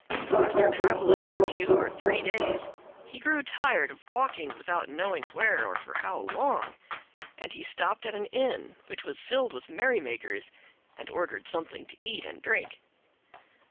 After traveling for two or three days he grew tired of walking without knowing where or for how long, and he stopped at an inn which was filled with merrymakers and ordered something to eat and drink.